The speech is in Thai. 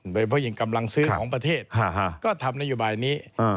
โดยเพราะยิ่งกำลังซื้อของประเทศก็ทำนโยบายนี้